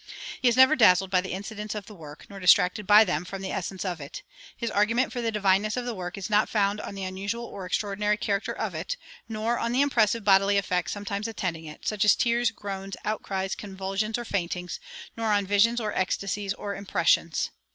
He is never dazzled by the incidents of the work, nor distracted by them from the essence of it. His argument for the divineness of the work is not founded on the unusual or extraordinary character of it, nor on the impressive bodily effects sometimes attending it, such as tears, groans, outcries, convulsions, or faintings, nor on visions or ecstasies or "impressions."